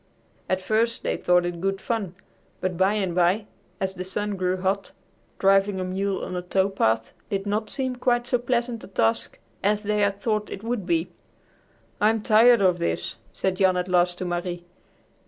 At first they thought it good fun, but by and by, as the sun grew hot, driving a mule on a tow path did not seem quite so pleasant a task as they had thought it would be. "I'm tired of this," said Jan at last to Marie.